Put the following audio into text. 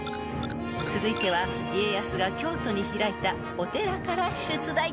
［続いては家康が京都に開いたお寺から出題］